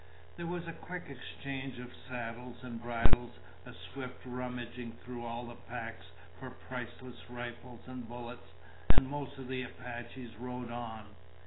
There was a quick exchange of saddles and bridles, a swift rummaging through all the packs for priceless rifles and bullets, and most of the Apaches rode on.